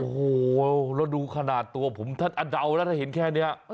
โอ้โหแล้วดูขนาดตัวผมถ้าเดาแล้วถ้าเห็นแค่นี้